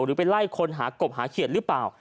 หรือไปไล่คนหากบหาเขียดหรือเปล่า